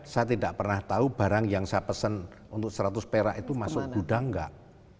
saya tidak pernah tahu barang yang saya pesen untuk seratus perak itu masuk gudang enggak